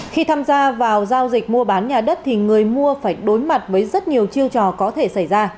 khi tham gia vào giao dịch mua bán nhà đất thì người mua phải đối mặt với rất nhiều chiêu trò có thể xảy ra